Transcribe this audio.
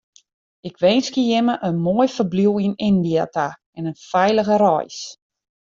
Ik winskje jimme in moai ferbliuw yn Yndia ta en in feilige reis.